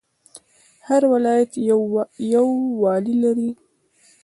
هر ولایت یو والی لري